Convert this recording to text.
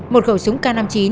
một khẩu súng k năm mươi chín